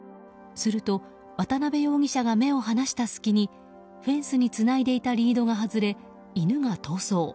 すると渡辺容疑者が目を離した隙にフェンスにつないでいたリードが外れ、犬が逃走。